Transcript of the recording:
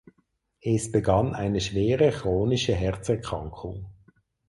Es begann eine schwere chronische Herzerkrankung.